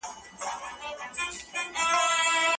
دا مسواک له بل هر شي څخه ډېر ګټور دی.